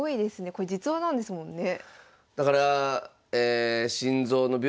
これ実話なんですもんね。